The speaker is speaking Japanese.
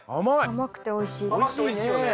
甘くておいしいよね。